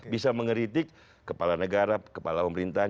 bisa mengeritik kepala negara kepala pemerintahan